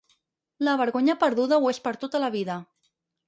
La vergonya perduda ho és per tota la vida.